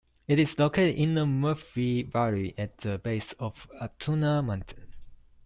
It is located in the Murphree Valley at the base of Altoona Mountain.